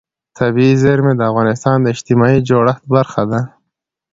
طبیعي زیرمې د افغانستان د اجتماعي جوړښت برخه ده.